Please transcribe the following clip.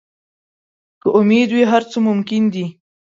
که امید وي، هر څه ممکن دي.